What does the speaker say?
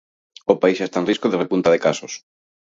O país xa está en risco de repunta de casos.